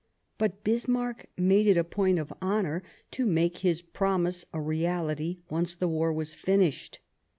But Bismarck made it a point of honour to 100 Sadowa make his promise a reality, once the war was finished.